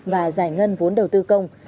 và giải ngân vốn đầu tư công